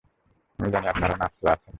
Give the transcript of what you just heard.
আমি জানি আপনার নার্সরা আছে।